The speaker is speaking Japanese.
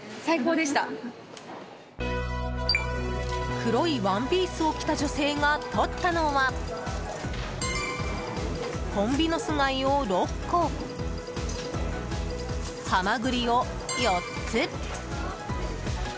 黒いワンピースを着た女性が取ったのはホンビノス貝を６個ハマグリを４つ。